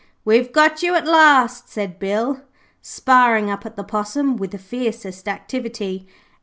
'We've got you at last,' said Bill, sparring up at the Possum with the fiercest activity.